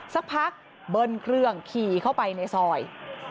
สักพักเบิ้ลเครื่องขี่เข้าไปในซอย